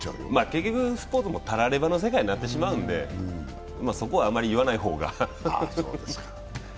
結局スポーツも、たらればの世界になってしまうのでそこは、あまり言わない方が。